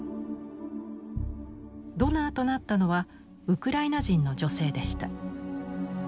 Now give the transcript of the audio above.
ドナーとなったのはウクライナ人の女性でした。